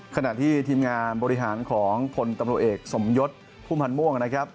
ขณะที่ทีมงานบริหารของพลตำรวจเอกสมยศพุ่มพันธ์ม่วงนะครับ